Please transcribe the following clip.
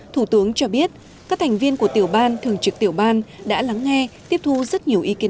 thủ tướng cho biết các thành viên của tiểu ban thường trực tiểu ban đã lắng nghe tiếp thu rất nhiều ý kiến